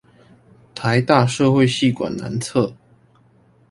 臺大社會系館南側